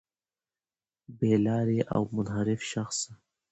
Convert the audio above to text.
بې لاري او منحرف شخص